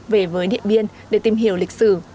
về với điện biên để tìm hiểu lịch sử